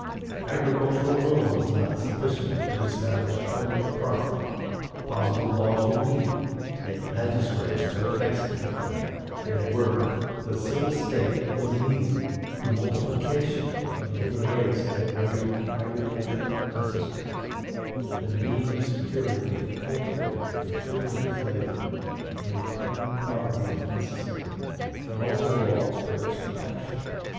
"Agriculture alone was not sufficient to establish permanent property; positive laws were needed, and magistrates to execute them; in a word, the civil State was needed. "The multiplication of the human race had rendered agriculture necessary; the need of securing to the cultivator the fruit of his labor made permanent property necessary, and also laws for its protection.